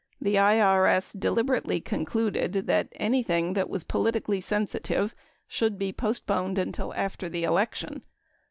The IBS deliberately concluded that anything that was polit ically sensitive should be postponed until after the election.